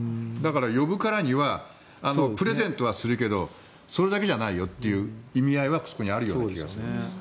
呼ぶからにはプレゼントはするけどそれだけじゃないよという意味合いはそこにあるような気がします。